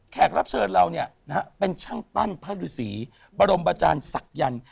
แขกรับเชิญเราเนี่ยเป็นช่างตั้นพระฤาษีประดมบาจารย์ศักยันต์